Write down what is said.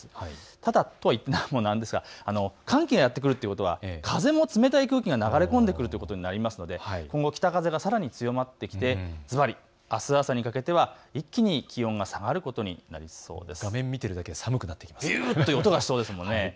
ただ、寒気やって来るということは風も冷たい空気が流れ込んでくるということになりますので今後、北風がさらに強まってきてあす朝にかけては一気に気温が下がることになりそうです。